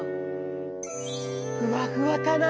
ふわふわかな？